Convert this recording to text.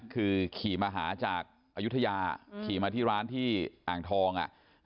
คือขี่มาหาจากอายุทยาขี่มาที่ร้านที่อ่างทอง